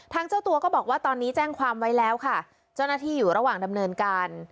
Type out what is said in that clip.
เจ้าตัวก็บอกว่าตอนนี้แจ้งความไว้แล้วค่ะเจ้าหน้าที่อยู่ระหว่างดำเนินการ